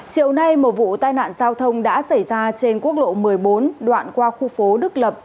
chiều nay một vụ tai nạn giao thông đã xảy ra trên quốc lộ một mươi bốn đoạn qua khu phố đức lập